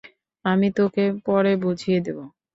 আমি তোকে পড়ে বুঝিয়ে দেব।